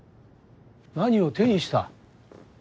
何を手にした？